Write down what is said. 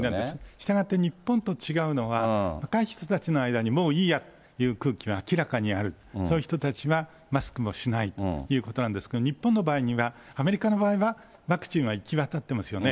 したがって、日本と違うのは、若い人たちの間に、もういいやという空気が明らかにある、そういう人たちはマスクもしないということなんですが、日本の場合には、アメリカの場合はワクチンは行き渡ってますよね。